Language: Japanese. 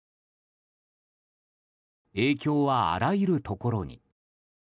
影響はあらゆるところに。